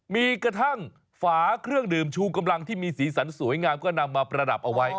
มีกระทั่งฝาเครื่องดื่มชูกำลังที่มีสีสันสวยงามก็นำมาประดับเอาไว้